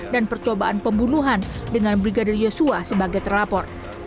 dan percobaan pembunuhan dengan brigadir yesua sebagai terlapor